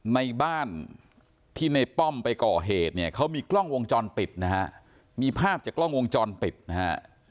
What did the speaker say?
ในบ้านที่ในป้อมไปก่อเหตุเนี่ยเขามีกล้องวงจรปิดนะฮะมีภาพจากกล้องวงจรปิดนะฮะ